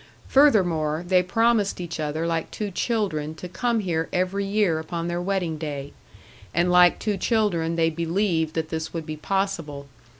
Furthermore, they promised each other like two children to come here every year upon their wedding day, and like two children they believed that this would be possible.